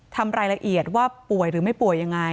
ทำรายละเอียดว่าป่วยหรือไม่ป่วยยังไง